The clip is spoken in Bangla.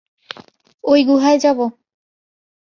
ঐ গুহায় যাবো।